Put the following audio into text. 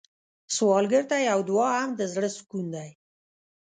سوالګر ته یو دعا هم د زړه سکون دی